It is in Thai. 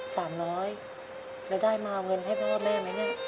สามร้อยแล้วได้มาเอาเงินให้พ่อแม่ไหมเนี่ย